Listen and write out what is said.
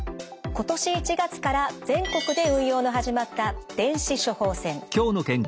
今年１月から全国で運用の始まった電子処方箋。